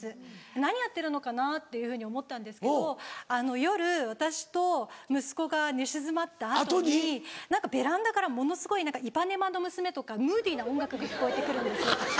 何やってるのかな？というふうに思ったんですけど夜私と息子が寝静まった後にベランダからものすごい『イパネマの娘』とかムーディーな音楽が聞こえて来るんですよ。